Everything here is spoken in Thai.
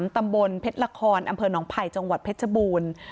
ตำบลเพชรละครอำเภอหนองไผ่จังหวัดเพชรบูรณ์